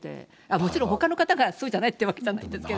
もちろん、ほかの方がそうじゃないってわけじゃないですけど。